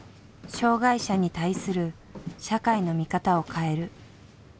障害者に対する社会の見方を変える。